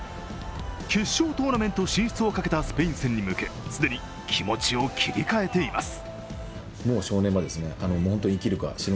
決勝トーナメント進出をかけたスペイン戦に向け既に気持ちを切り替えています。